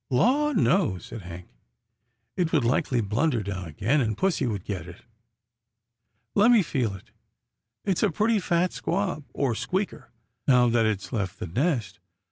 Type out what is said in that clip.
"" Law no," said Hank, " it would likely blunder down again, and pussy would get it. Let me feel it. It's a pretty fat squab, or squeaker, now that it's left the nest.